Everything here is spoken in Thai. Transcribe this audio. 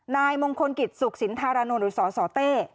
นายมงคลกิจสุขสินธารานนท์หรือสสเต้